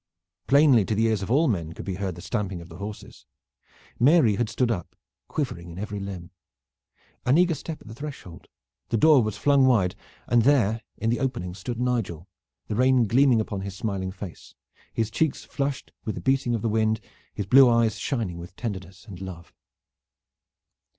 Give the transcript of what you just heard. Plainly to the ears of all men could be heard the stamping of the horses. Mary had stood up, quivering in every limb. An eager step at the threshold, the door was flung wide, and there in the opening stood Nigel, the rain gleaming upon his smiling face, his cheeks flushed with the beating of the wind, his blue eyes shining with tenderness and love.